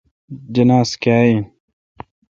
جناز کاں این۔